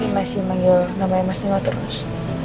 masih manggil namanya mas nima terus